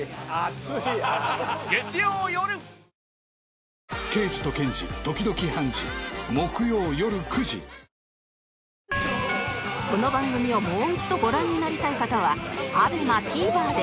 キッコーマンこの番組をもう一度ご覧になりたい方は ＡＢＥＭＡＴＶｅｒ で